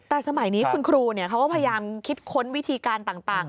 แต่สมัยนี้คุณครูเขาก็พยายามคิดค้นวิธีการต่าง